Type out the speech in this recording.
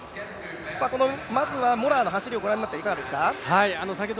まずはモラアの走りをご覧になっていかがですか？